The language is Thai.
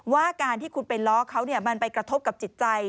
ว่าการที่คุณไปล้อเขามันไปกระทบกับจิตใจ